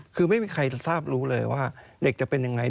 คือไม่มีใครทราบรู้เลยว่าเด็กจะเป็นยังไง